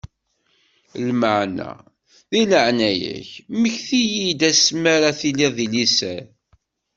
Lameɛna, di leɛnaya-k, mmekti-yi-d ass mi ara tiliḍ di liser.